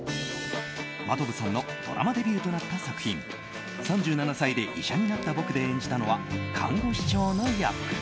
真飛さんのドラマデビューとなった作品「３７歳で医者になった僕」で演じたのは看護師長の役。